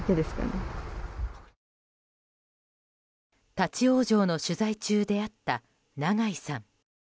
立ち往生の取材中、出会った永井さん。